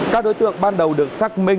các đối tượng ban đầu được xác minh